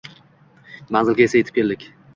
Manzilga esa yetib keldik.